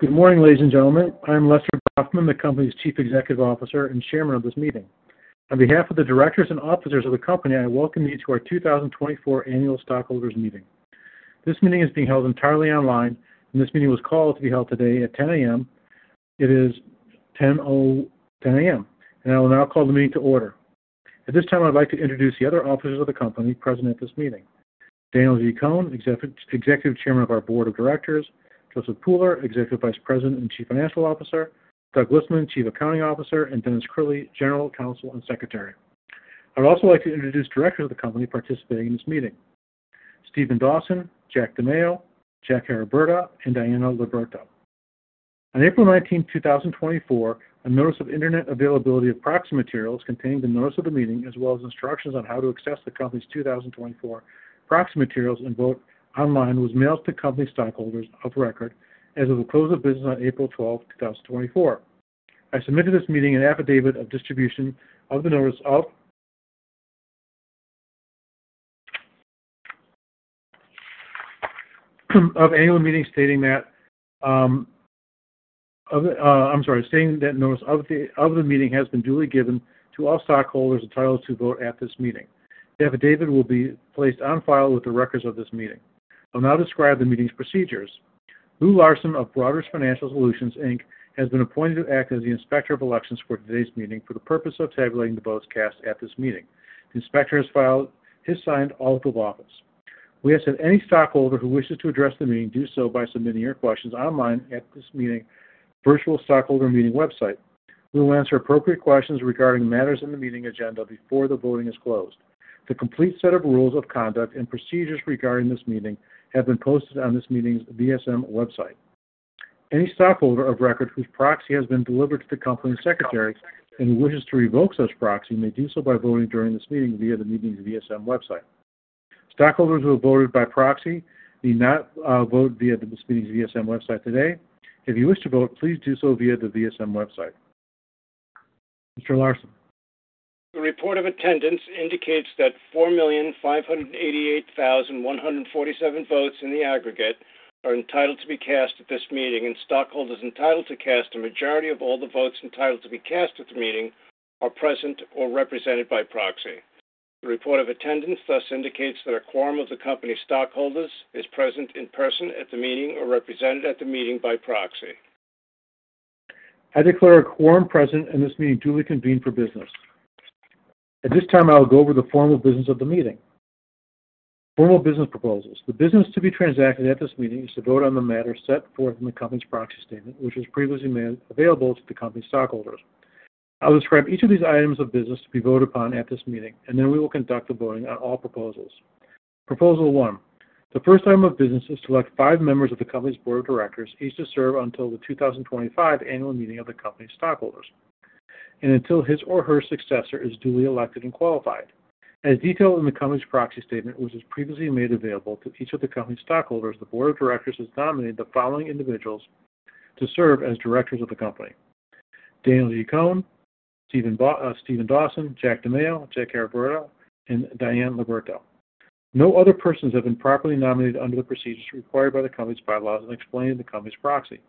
Good morning, ladies and gentlemen. I'm Lester Brafman, the company's Chief Executive Officer and Chairman of this meeting. On behalf of the directors and officers of the company, I welcome you to our 2024 Annual Stockholders Meeting. This meeting is being held entirely online, and this meeting was called to be held today at 10:00 A.M. It is 10:10 A.M., and I will now call the meeting to order. At this time, I'd like to introduce the other officers of the company present at this meeting. Daniel G. Cohen, Executive Chairman of our Board of Directors, Joseph Pooler, Executive Vice President and Chief Financial Officer, Doug Listman, Chief Accounting Officer, and Dennis J. Crilly, General Counsel and Secretary. I'd also like to introduce directors of the company participating in this meeting. Steven G. Dawson, Jack J. DiMaio, Jr., Henry A. Hubschman, and Diana Liberto. On April 19, 2024, a notice of Internet availability of proxy materials containing the notice of the meeting, as well as instructions on how to access the company's 2024 proxy materials and vote online, was mailed to company stockholders of record as of the close of business on April 12, 2024. I submit to this meeting an affidavit of distribution of the notice of the annual meeting, stating that notice of the meeting has been duly given to all stockholders entitled to vote at this meeting. The affidavit will be placed on file with the records of this meeting. I'll now describe the meeting's procedures. Lou Larsen of Broadridge Financial Solutions, Inc., has been appointed to act as the Inspector of Elections for today's meeting for the purpose of tabulating the votes cast at this meeting. The inspector has filed his signed oath of office. We ask that any stockholder who wishes to address the meeting do so by submitting your questions online at this meeting, virtual stockholder meeting website. We will answer appropriate questions regarding matters in the meeting agenda before the voting is closed. The complete set of rules of conduct and procedures regarding this meeting have been posted on this meeting's VSM website. Any stockholder of record whose proxy has been delivered to the company secretary and who wishes to revoke such proxy, may do so by voting during this meeting via the meeting's VSM website. Stockholders who have voted by proxy need not vote via the meeting's VSM website today. If you wish to vote, please do so via the VSM website. Mr. Larson? The report of attendance indicates that 4,588,147 votes in the aggregate are entitled to be cast at this meeting, and stockholders entitled to cast a majority of all the votes entitled to be cast at the meeting are present or represented by proxy. The report of attendance thus indicates that a quorum of the company's stockholders is present in person at the meeting or represented at the meeting by proxy. I declare a quorum present, and this meeting duly convened for business. At this time, I will go over the formal business of the meeting. Formal business proposals. The business to be transacted at this meeting is to vote on the matter set forth in the company's proxy statement, which was previously made available to the company's stockholders. I'll describe each of these items of business to be voted upon at this meeting, and then we will conduct the voting on all proposals. Proposal one: The first item of business is to elect five members of the company's board of directors, each to serve until the 2025 annual meeting of the company's stockholders, and until his or her successor is duly elected and qualified. As detailed in the company's proxy statement, which was previously made available to each of the company's stockholders, the board of directors has nominated the following individuals to serve as directors of the company: Daniel G. Cohen, Steven G. Dawson, Jack J. DiMaio, Jr., Henry A. Hubschman, and Diana Liberto. No other persons have been properly nominated under the procedures required by the company's bylaws and explained in the company's proxy.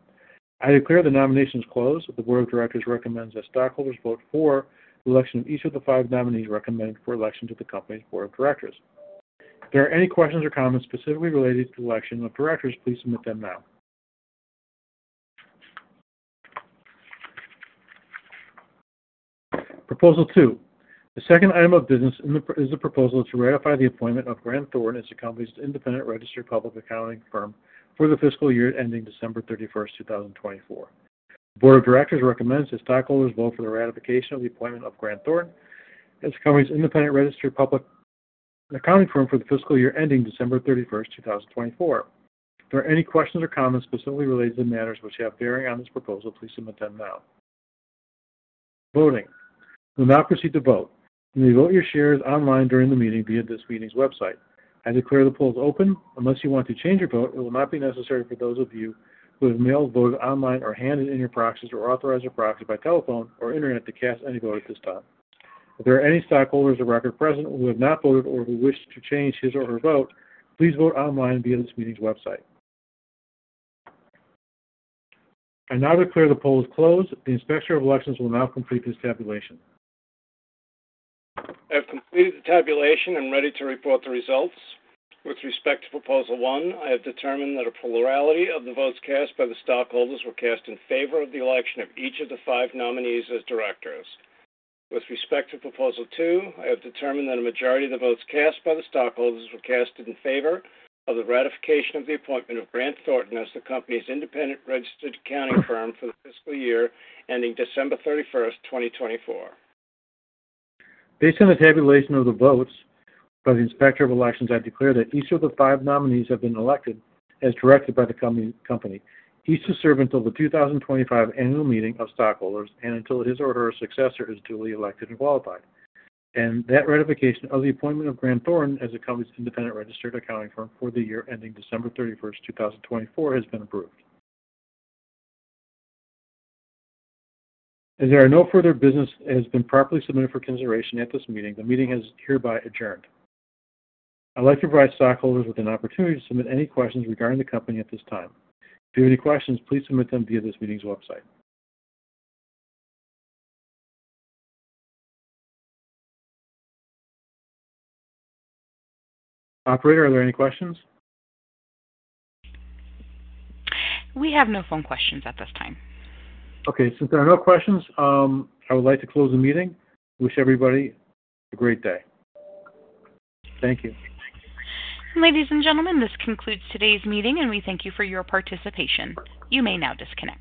I declare the nominations closed. The board of directors recommends that stockholders vote for the election of each of the five nominees recommended for election to the company's board of directors. If there are any questions or comments specifically related to the election of directors, please submit them now. Proposal two: The second item of business in the proxy is the proposal to ratify the appointment of Grant Thornton as the company's independent registered public accounting firm for the fiscal year ending December 31st, 2024. The board of directors recommends that stockholders vote for the ratification of the appointment of Grant Thornton as the company's independent registered public accounting firm for the fiscal year ending December 31st, 2024. If there are any questions or comments specifically related to the matters which have bearing on this proposal, please submit them now. Voting. We'll now proceed to vote. You may vote your shares online during the meeting via this meeting's website. I declare the polls open. Unless you want to change your vote, it will not be necessary for those of you who have mailed, voted online, or handed in your proxies or authorized your proxy by telephone or internet to cast any vote at this time. If there are any stockholders of record present who have not voted or who wish to change his or her vote, please vote online via this meeting's website. I now declare the poll is closed. The Inspector of Elections will now complete this tabulation. I have completed the tabulation and ready to report the results. With respect to proposal one, I have determined that a plurality of the votes cast by the stockholders were cast in favor of the election of each of the five nominees as directors. With respect to proposal two, I have determined that a majority of the votes cast by the stockholders were casted in favor of the ratification of the appointment of Grant Thornton as the company's independent registered accounting firm for the fiscal year ending December 31st, 2024. Based on the tabulation of the votes by the Inspector of Elections, I declare that each of the five nominees have been elected as directed by the company, each to serve until the 2025 annual meeting of stockholders and until his or her successor is duly elected and qualified. And that ratification of the appointment of Grant Thornton as the company's independent registered accounting firm for the year ending December 31st, 2024, has been approved. As there are no further business that has been properly submitted for consideration at this meeting, the meeting is hereby adjourned. I'd like to provide stockholders with an opportunity to submit any questions regarding the company at this time. If you have any questions, please submit them via this meeting's website. Operator, are there any questions? We have no phone questions at this time. Okay, since there are no questions, I would like to close the meeting. Wish everybody a great day. Thank you. Ladies and gentlemen, this concludes today's meeting, and we thank you for your participation. You may now disconnect.